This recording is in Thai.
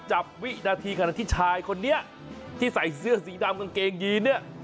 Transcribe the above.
วินาทีขณะที่ชายคนนี้ที่ใส่เสื้อสีดำกางเกงยีนเนี่ย